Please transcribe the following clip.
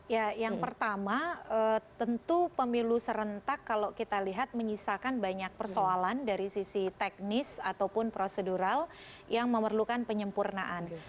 ya yang pertama tentu pemilu serentak kalau kita lihat menyisakan banyak persoalan dari sisi teknis ataupun prosedural yang memerlukan penyempurnaan